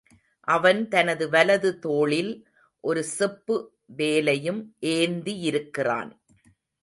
அவன் தனது வலது தோளில் ஒரு செப்பு வேலையும் ஏந்தியிருக்கிறான்.